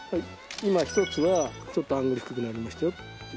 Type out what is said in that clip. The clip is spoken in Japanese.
今一つはちょっとアングルが低くなりましたよって。